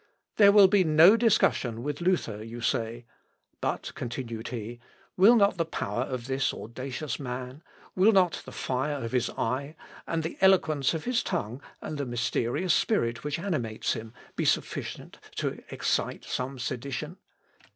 There will be no discussion with Luther, you say; but" continued he, "will not the power of this audacious man, will not the fire of his eye, and the eloquence of his tongue, and the mysterious spirit which animates him, be sufficient to excite some sedition?